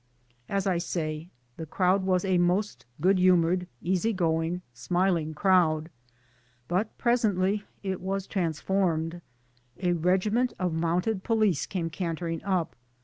As I say, the crowd was a most good humored, easy going, smiling crowd ; but presently it was transformed. A regiment of mounted police came cantering: up.